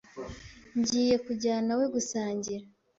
Ngiye kujyanawe gusangira.